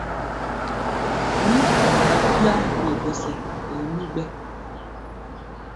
Mí hikiɗa bíá nɛ gɛsɛ, ɓɛɛ mí gbɛ́.